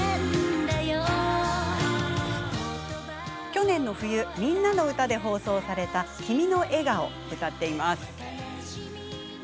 去年の冬「みんなのうた」で放送された「キミの笑顔」を歌っています。